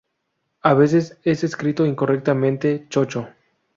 A veces es escrito incorrectamente Chocho.